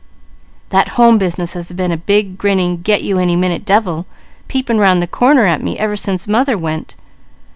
"That Home business has been a big, grinning, 'Get you any minute devil,' peeping 'round the corner at me ever since mother went.